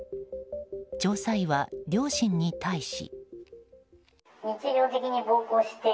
調査委は両親に対し。